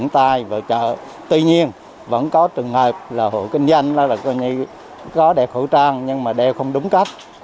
tuy nhiên vẫn có trường hợp là hộ kinh doanh có đeo khẩu trang nhưng mà đeo không đúng cách